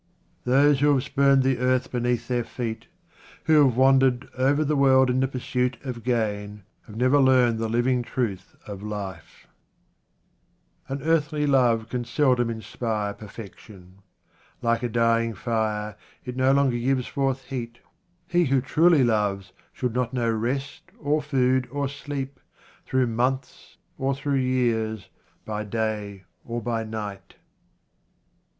Those who have spurned the earth beneath their feet, who have wandered over the world in the pursuit of gain, have never learned the living truth of life. QUATRAINS OF OMAR KHAYYAM An earthly love can seldom inspire perfection. Like a dying fire it no longer gives forth heat. He who truly loves should not know rest, or food, or sleep, through months or through years, by day or by night.